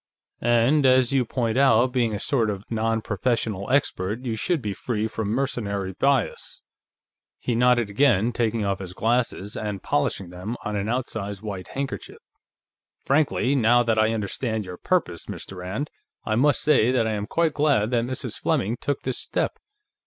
"And as you point out, being a sort of non professional expert, you should be free from mercenary bias." He nodded again, taking off his glasses and polishing them on an outsize white handkerchief. "Frankly, now that I understand your purpose, Mr. Rand, I must say that I am quite glad that Mrs. Fleming took this step.